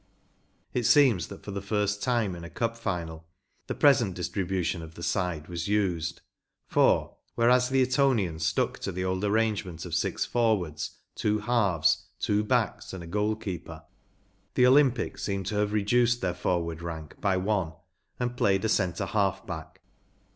It seems that for the first time in a Cup final the present distribution of the side was used; for, whereas the Etonians stuck to the old arrangement of six forwards, two halves, two backs, and a goal keeper, the Olympic seem to have reduced their forward rank by one and played a centre half back.